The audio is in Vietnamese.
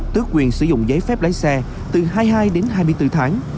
tước quyền sử dụng giấy phép lái xe từ hai mươi hai đến hai mươi bốn tháng